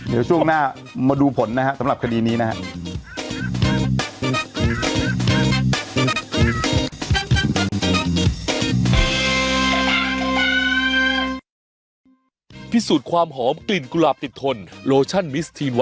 เดี๋ยวช่วงหน้ามาดูผลนะครับสำหรับคดีนี้นะครับ